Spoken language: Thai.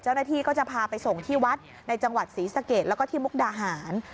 เจ้าหน้าที่ก็จะพาไปส่งที่วัดในจังหวัดศรีสะเกดแล้วก็ที่มุกดาหาร